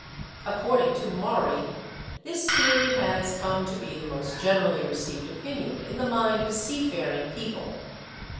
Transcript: According to Maury, this theory has 'come to be the most generally received opinion in the mind of seafaring people.